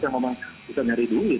yang memang bisa nyari duit